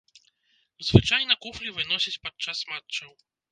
Звычайна куфлі выносяць падчас матчаў.